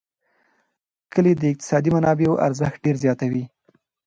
کلي د اقتصادي منابعو ارزښت ډېر زیاتوي.